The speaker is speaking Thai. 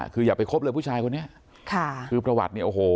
คืออย่าไปคบเลยผู้ชายคนนี้ค่ะคือประวัติเนี่ยโอ้โห